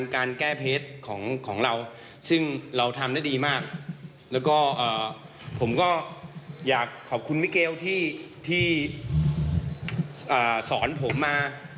การแก้เพจของเราซึ่งเราทำได้ดีมากแล้วก็ผมก็อยากขอบคุณมิเกลที่สอนผมมา